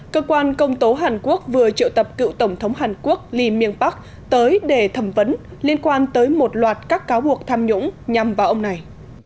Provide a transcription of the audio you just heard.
cơ quan công tố hàn quốc vừa triệu tập cựu tổng thống hàn quốc lee myung park tới để thẩm vấn liên quan tới một loạt các cáo buộc tham nhũng nhằm vào ông này